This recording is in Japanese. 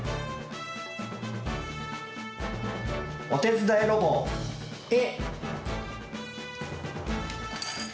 おてつだいロボ「え」。